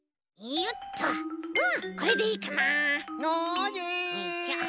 よいしょ。